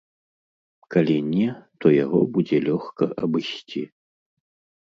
Калі не, то яго будзе лёгка абысці.